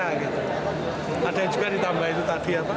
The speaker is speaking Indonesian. ada yang juga ditambah itu tadi apa